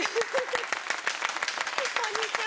こんにちは。